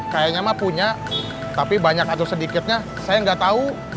kayaknya mah punya tapi banyak atur sedikitnya saya nggak tahu